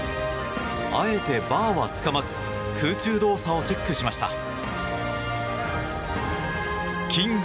あえてバーはつかまず空中動作をチェックしました。